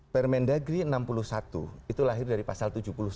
permendagri enam puluh satu itu lahir dari pasal tujuh puluh satu